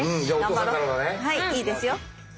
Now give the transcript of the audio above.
はいいいですよ！